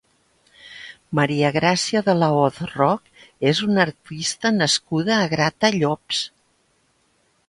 Maria Gràcia de la Hoz Roch és una artista nascuda a Gratallops.